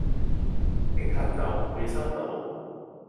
警察就會收到